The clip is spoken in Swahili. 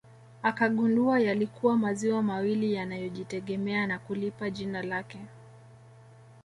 Akagundua yalikuwa maziwa mawili yanayojitegemea na kulipa jina lake